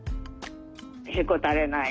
へこたれない